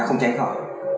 không tránh khỏi